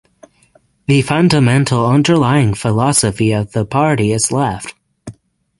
The fundamental underlying philosophy of the party is Left.